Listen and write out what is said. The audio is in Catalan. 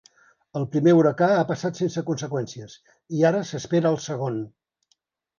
El primer huracà ha passat sense conseqüències i ara s'espera el segon.